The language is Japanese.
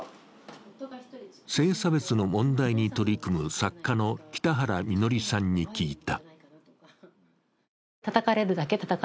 性差別の問題に取り組む作家の北原みのりさんに聞いた。